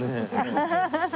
ハハハハハ。